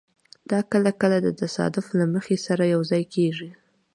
دا کله کله د تصادف له مخې سره یوځای کېږي.